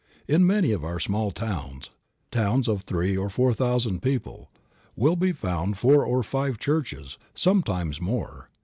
In many of our small towns towns of three or four thousand people will be found four or five churches, sometimes more.